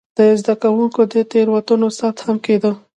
د زده کوونکو د تېروتنو ثبت هم کېده.